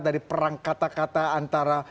dari perang kata kata antara